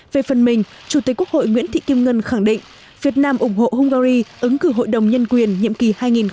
về phần mình chủ tịch quốc hội nguyễn thị kim ngân khẳng định việt nam ủng hộ hungary ứng cử hội đồng nhân quyền nhiệm kỳ hai nghìn một mươi bảy hai nghìn một mươi chín